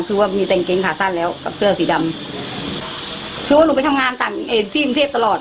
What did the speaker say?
คือว่ามีแต่งเกงขาสั้นแล้วกับเสื้อสีดำคือว่าหนูไปทำงานต่างที่กรุงเทพตลอด